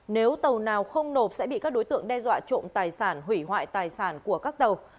nếu tàu nào không nộp sẽ bị các đối tượng đe dọa trộm tài sản hủy hoại tài sản của các tàu